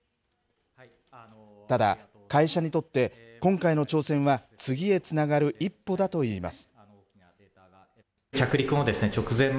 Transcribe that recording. ただ、会社にとって、今回の挑戦は次へつながる一歩だといいます。